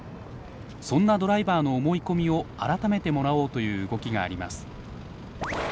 そんなドライバーの思い込みを改めてもらおうという動きがあります。